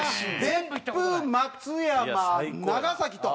別府松山長崎と。